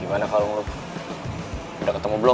gimana kalung lo udah ketemu belum